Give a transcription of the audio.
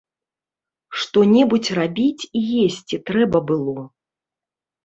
Што-небудзь рабіць і есці трэба было.